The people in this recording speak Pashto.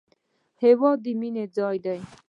هېواد د مینې ځای دی